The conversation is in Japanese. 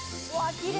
きれい！